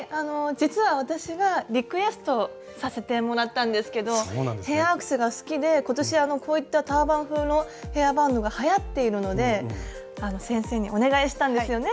実は私がリクエストさせてもらったんですけどヘアアクセが好きで今年こういったターバン風のヘアバンドがはやっているので先生にお願いしたんですよね。